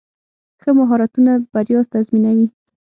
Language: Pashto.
ښه مهارتونه بریا تضمینوي.